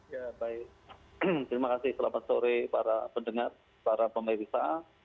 ya baik terima kasih selamat sore para pendengar para pemirsa